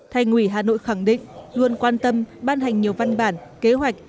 thành ủy hà nội khẳng định luôn quan tâm ban hành nhiều văn bản kế hoạch